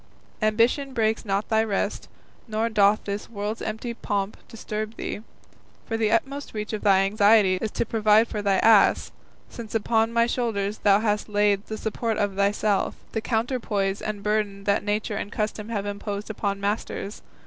Ambition breaks not thy rest, nor doth this world's empty pomp disturb thee, for the utmost reach of thy anxiety is to provide for thy ass, since upon my shoulders thou hast laid the support of thyself, the counterpoise and burden that nature and custom have imposed upon masters.